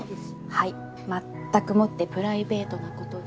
はい全くもってプライベートな事で。